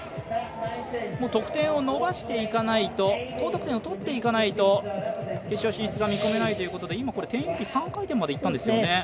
得点を伸ばしていかないと高得点を取っていかないと決勝進出が見込めないということで１０８０、３回転までいったんですね。